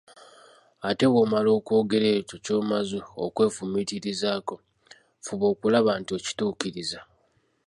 Ate bwomala okwogera ekyo ky'omaze okwefumiitirizaako, fuba okulaba nti okituukiriza.